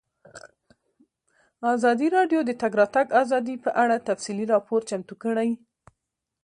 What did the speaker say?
ازادي راډیو د د تګ راتګ ازادي په اړه تفصیلي راپور چمتو کړی.